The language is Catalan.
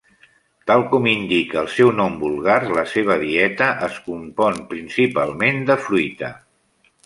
Tal com indica el seu nom vulgar, la seva dieta es compon principalment de fruita.